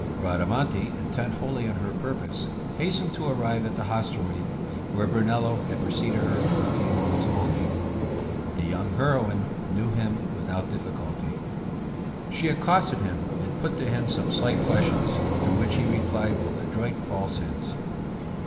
Bradamante, intent wholly on her purpose, hastened to arrive at the hostelry, where Brunello had preceded her a few moments only. The young heroine knew him without difficulty. She accosted him, and put to him some slight questions, to which he replied with adroit falsehoods.